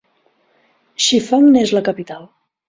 Shifang n'és la capital.